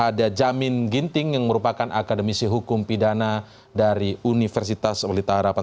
lalu kemudian ada jamin ginting yang merupakan akademisi hukum pidana dari universitas melita harapan